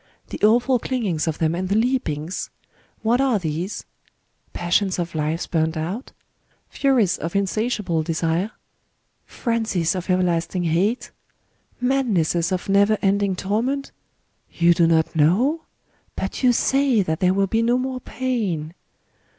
The awful clingings of them and the leapings ?... What are these ?... Passions of lives burnt out ?— furies of insatiable desire ?— frenzies of everlasting hate ?— madnesses of never ending torment ?... You do not know? But you say that there will be no more pain